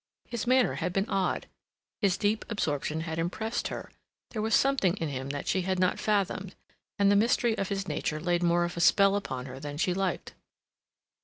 His manner had been odd; his deep absorption had impressed her; there was something in him that she had not fathomed, and the mystery of his nature laid more of a spell upon her than she liked.